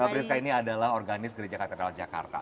mbak priska ini adalah organis gereja katedral jakarta